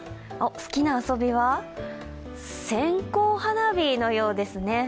好きな遊びは線香花火のようですね。